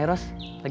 itu yg enak banget